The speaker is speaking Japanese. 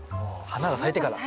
花が咲いてから。